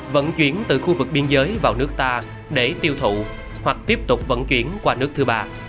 vận chuyển từ khu vực biên giới vào nước ta để tiêu thụ hoặc tiếp tục vận chuyển qua nước thứ ba